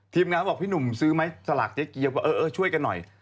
งานบอกพี่หนุ่มซื้อไหมสลากเจ๊เกียวว่าเออช่วยกันหน่อย